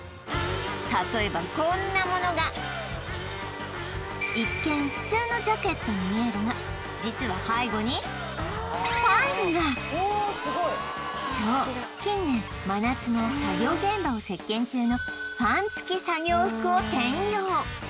例えばこんなものが一見普通のジャケットに見えるが実は背後にファンがそう近年真夏の作業現場を席巻中のファン付き作業服を転用